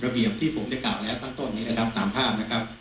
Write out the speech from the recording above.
ระเบียบที่ผมได้การแล้วตั้งต้นก็ตามภาพ